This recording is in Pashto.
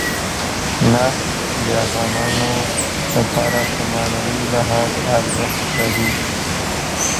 نفت د افغانانو لپاره په معنوي لحاظ ارزښت لري.